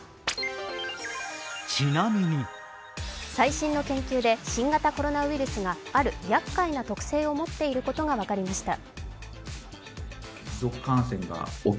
最新の研究で新型コロナウイルスがあるやっかいな特性を持っていることが分かりました。